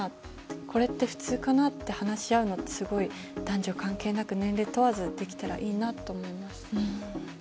これって普通かな？って話し合うのってすごい男女関係なく年齢問わずできたらいいなと思いました。